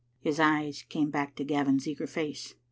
His eyes came back to Gavin's eager face.